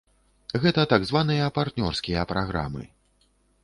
Гэта так званыя партнёрскія праграмы.